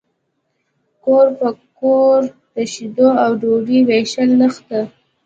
کور په کور د شیدو او ډوډۍ ویشل نشته